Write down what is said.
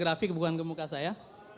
grafik bukan ke muka saya